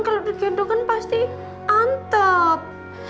kalau digendong kan pasti antep